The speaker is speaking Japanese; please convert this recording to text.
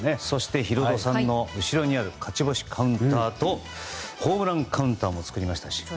そしてヒロドさんの後ろにある勝ち星カウンターとホームランカウンターも作りました。